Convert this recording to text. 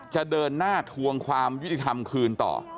จะเดินหน้าทวงความยุติธรรมคืนต่อ